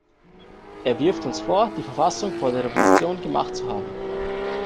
Er wirft uns vor, die Verfassung vor der Revolution gemacht zu haben.